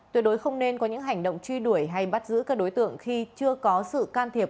tuyệt đối không nên có những hành động truy đuổi hay bắt giữ các đối tượng khi chưa có sự can thiệp